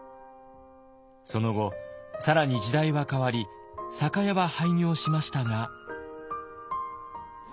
その後更に時代は変わり酒屋は廃業しましたが。